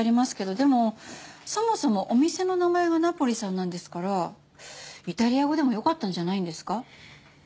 でもそもそもお店の名前が「ナポリさん」なんですからイタリア語でもよかったんじゃないんですか？